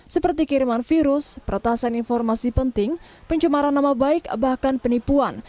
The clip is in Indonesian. seperti kiriman virus peretasan informasi penting pencemaran nama baik bahkan penipuan